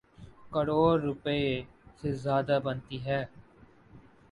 کروڑ روپے سے زیادہ بنتی ہے۔